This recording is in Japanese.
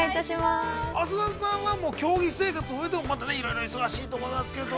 ◆浅田さんは、競技生活を終えてもいろいろ忙しいと思いますけれども。